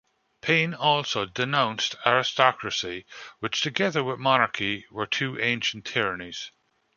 Paine also denounced aristocracy, which together with monarchy were two ancient tyrannies.